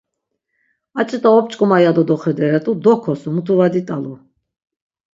Aç̆ita op̆ç̆k̆oma yado doxederet̆u, dokosu, mutu va dit̆alu.